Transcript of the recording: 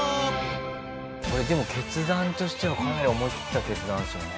これでも決断としてはかなり思い切った決断ですよね。